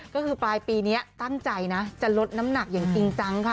ก็คือปลายปีนี้ตั้งใจนะจะลดน้ำหนักอย่างจริงจังค่ะ